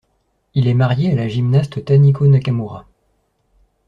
Il est marié à la gymnaste Taniko Nakamura.